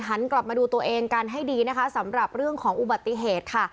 หันกลับมาดูตัวเองกันให้ดีนะคะสำหรับเรื่องของอุบัติเหตุค่ะ